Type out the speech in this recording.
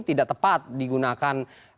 tidak tepat digunakan